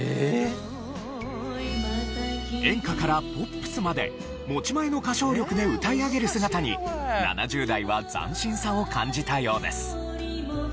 演歌からポップスまで持ち前の歌唱力で歌い上げる姿に７０代は斬新さを感じたようです。